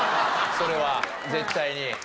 それは絶対に。